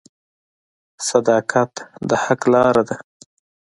• صداقت د حق لاره ده.